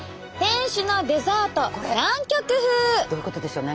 これどういうことでしょうね。